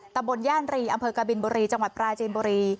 ตำบลย่านรีอำเภอกบินบุรีจังหวัดปราจีนบุรี